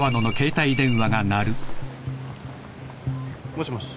もしもし。